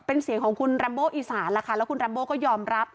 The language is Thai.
เป็นเสียงของคุณอีสานแล้วคุณยอมรับ